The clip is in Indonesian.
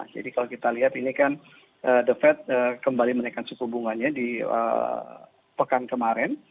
jadi kalau kita lihat ini kan defek kembali menaikkan suku hubungannya di pekan kemarin